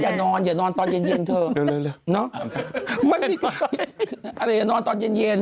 อย่านอนอย่านอนตอนเย็นเถอะ